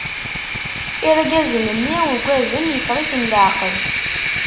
Irgazen-nni ugaden, iffeɣ- iten leɛqel.